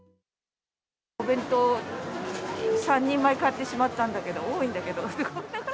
お弁当、３人前買ってしまったんだけど、多いんだけど。